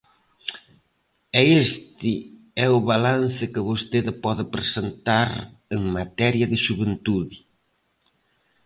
E este é o balance que vostede pode presentar en materia de xuventude.